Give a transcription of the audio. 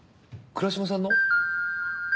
倉嶋さんの？